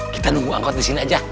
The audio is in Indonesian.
kita nunggu angkot disini aja